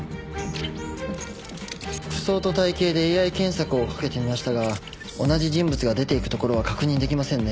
服装と体型でＡＩ検索をかけてみましたが同じ人物が出ていくところは確認できませんね。